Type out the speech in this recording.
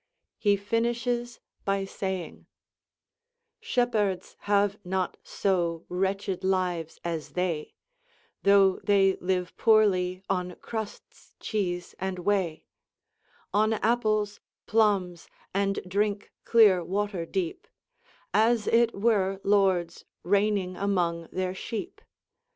He finishes by saying: "Shepherds have not so wretched lives as they: Though they live poorely on cruddes, chese, and whey, On apples, plummes, and drinke cleree water deepe, As it were lordes reigning among their sheepe.